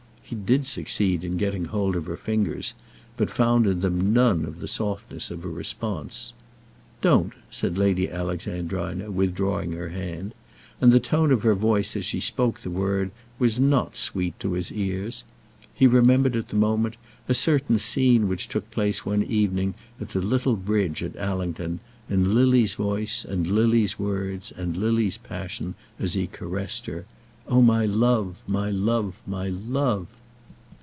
He did succeed in getting hold of her fingers, but found in them none of the softness of a response. "Don't," said Lady Alexandrina, withdrawing her hand; and the tone of her voice as she spoke the word was not sweet to his ears. He remembered at the moment a certain scene which took place one evening at the little bridge at Allington, and Lily's voice, and Lily's words, and Lily's passion, as he caressed her: "Oh, my love, my love, my love!"